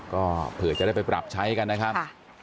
ก็เผื่อจะได้ไปปรับใช้กันนะครับ